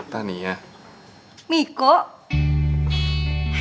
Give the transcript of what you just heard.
tuhan yang bersiap